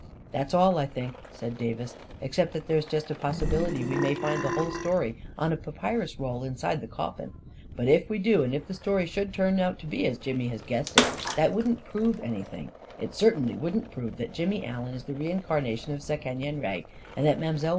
" That's all, I think," said Davis, " except that there's just a possibility we may find the whole story o i a papyrus roll inside the coffin. But if we do, and if the story should turn out to be as Jimmy has guessed it, that wouldn't prove anything — it cer tainly wouldn't prove that Jimmy Allen is the rein carnation of Sekenyen Re, and that Mile.